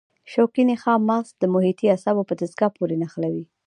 شوکي نخاع مغز د محیطي اعصابو په دستګاه پورې نښلوي.